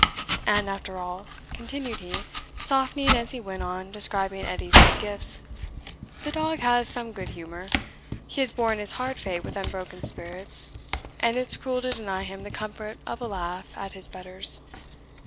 And after all," continued he, softening as he went on describing Edie's good gifts, "the dog has some good humour. He has borne his hard fate with unbroken spirits, and it's cruel to deny him the comfort of a laugh at his betters.